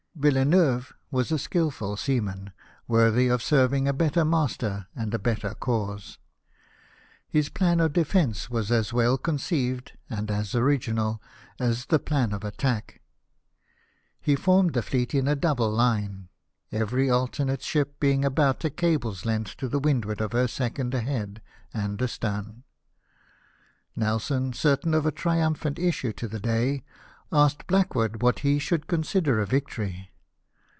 Villeneuve was a skilful seaman, worthy of serv ing a better master and a better cause. His plan of THE ^SIGNAL. 309 defence was as well conceived, and as original, as the plan of attack. He formed the fleet in a double line, every alternate ship being about a cable's length to windward of her second ahead and astern. Nelson, certain of a triumphant issue to the day, asked Blackwood what he should consider a victory.